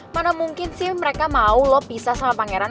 mana mungkin sih mereka mau loh pisah sama pangeran